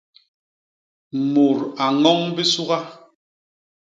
Mut a ñoñ bisuga.